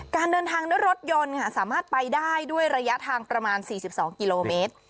การเดินทางด้วยรถยนต์สามารถไปได้ด้วยระยะทางประมาณ๔๒กิโลเมตร